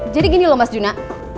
jadi gini loh mas juna